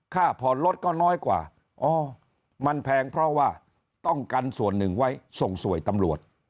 ค่าผ่อนรถก็น้อยกว่าอ๋อมันแพงเพราะว่าต้องกันส่วนหนึ่งไว้ส่งสวยตำรวจ